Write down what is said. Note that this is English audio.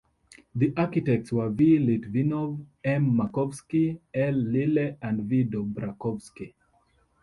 The architects were V. Litvinov, M. Markovsky, L. Lile, and V. Dobrakovsky.